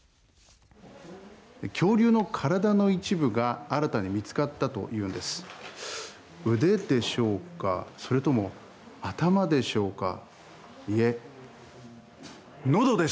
恐竜の体の一部が新たに見つかったというんです。